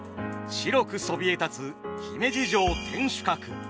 白くそびえ立つ姫路城天守閣。